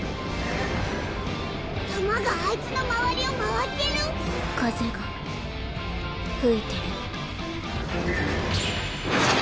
弾があいつの周りを回ってる⁉風が吹いてるの。